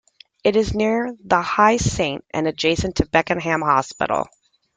It is near the High Saint and adjacent to Beckenham Hospital.